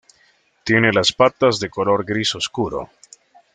Tiene las patas de color gris oscuro.